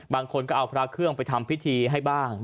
บางคนก็เอาพระเครื่องไปทำพิธีให้บ้าง